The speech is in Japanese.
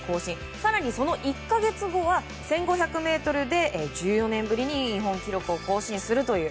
更にその１か月後は１５００ｍで１４年ぶりに日本記録を更新するという。